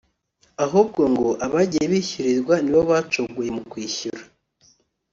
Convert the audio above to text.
ahubwo ngo abagiye bishyurirwa ni bo bacogoye mu kwishyura